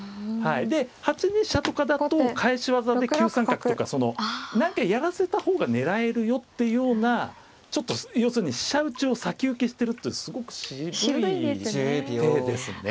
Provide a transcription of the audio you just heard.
で８二飛車とかだと返し技で９三角とか何かやらせた方が狙えるよっていうようなちょっと要するに飛車打ちを先受けしてるっていうすごく渋い手ですね。